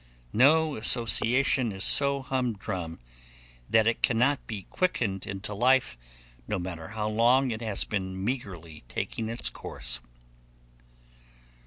No association is so humdrum that it cannot be quickened into life, no matter how long it has been meagerly taking its course.